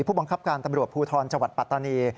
ผู้บังคับการตำรวจภูทรจังหวัดปัตตานี